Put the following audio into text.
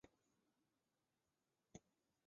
属于第五收费区。